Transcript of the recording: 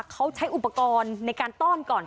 เขาใช้อุปกรณ์ในการต้อนก่อน